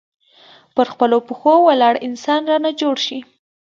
پر خپلو پښو ولاړ انسان رانه جوړ شي.